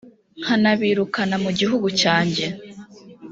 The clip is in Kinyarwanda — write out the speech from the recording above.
nkanabirukana mu gihugu cyanjye.